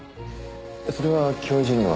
それは教授には？